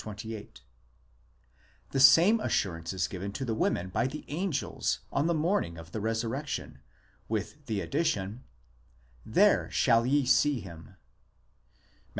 28) ; the same assurance is given to the women by the angels on the morning of the resurrection, with the addition : there shall ye see Aim (Matt.